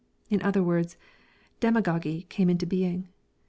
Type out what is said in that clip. In other words, demagogy came into being.